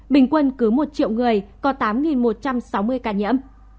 bình quân cứ một triệu người có tám một trăm sáu mươi ca nhiễm